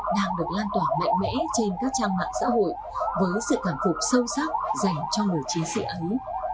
đang được lan tỏa mạnh mẽ trên các trang mạng xã hội với sự cảm phục sâu sắc dành cho người chiến sĩ ấy